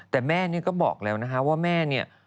แต่แม่เนี่ยก็บอกแล้วนะคะว่าแม่เนี่ย